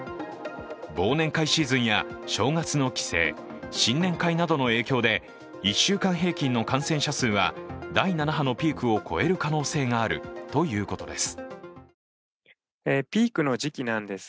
忘年会シーズンや正月の帰省、新年会などの影響で１週間平均の感染者数は第７波のピークを超える可能性があるということです。